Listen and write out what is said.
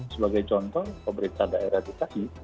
sebagai contoh pemerintah daerah dki